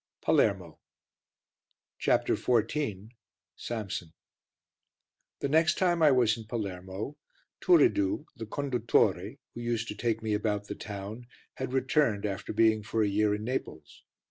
PALERMO CHAPTER XIV SAMSON The next time I was in Palermo, Turiddu, the conduttore, who used to take me about the town, had returned after being for a year in Naples.